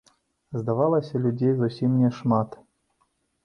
Здавалася, людзей зусім няшмат.